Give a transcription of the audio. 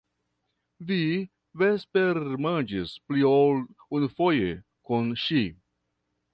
Vi vespermanĝis pli ol unufoje kun ŝi.